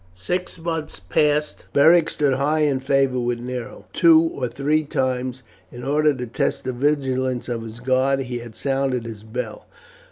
Six months passed. Beric stood high in favour with Nero. Two or three times, in order to test the vigilance of his guard, he had sounded his bell.